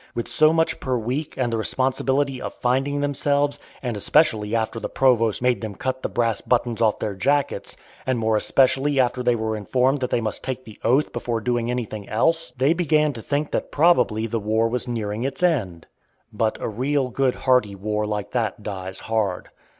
with so much per week and the responsibility of "finding themselves," and especially after the provost made them cut the brass buttons off their jackets, and more especially after they were informed that they must take the oath before doing anything else, they began to think that probably the war was nearing its end. But a real good hearty war like that dies hard.